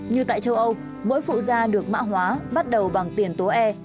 như tại châu âu mỗi phụ da được mã hóa bắt đầu bằng tiền tố e